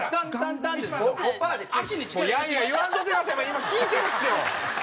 今聞いてるんですよ。